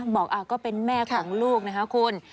บอกก็เป็นแม่ของลูกนะคะคุณ